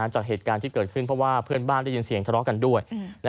จากเหตุการณ์ที่เกิดขึ้นเพราะว่าเพื่อนบ้านได้ยินเสียงทะเลาะกันด้วย